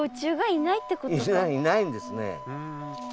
いないんですね。